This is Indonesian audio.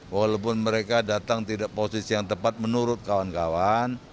walaupun mereka datang tidak posisi yang tepat menurut kawan kawan